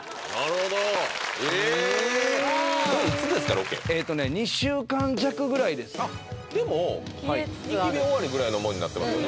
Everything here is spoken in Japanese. ロケえっとね２週間弱ぐらいですあっでもニキビ終わりぐらいなもんになってますよね